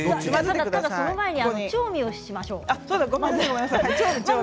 その前に調味しましょう。